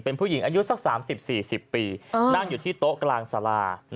เป็นผู้หญิงอายุสัก๓๐๔๐ปีนั่งอยู่ที่โต๊ะกลางสารา